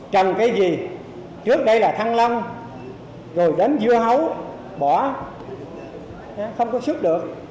trần cái gì trước đây là thăng lông rồi đến dưa hấu bỏ không có sức được